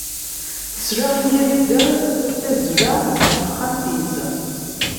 Tesla imir i dderz n tazla ɣer texxamt-is.